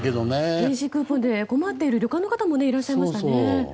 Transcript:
電子クーポンで困っている旅館の方もいらっしゃいましたね。